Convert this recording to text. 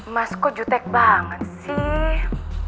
mas kok jutek banget sih